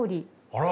あら！